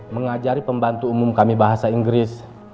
mengajari pembantu umum kami bahasa inggris